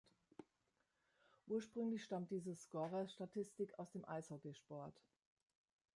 Ursprünglich stammt diese Scorer-Statistik aus dem Eishockey-Sport.